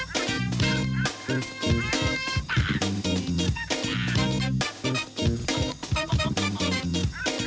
โปรดติดตามตอนต่อไป